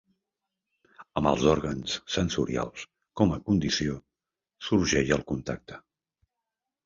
Amb els òrgans sensorials com a condició sorgeix el contacte.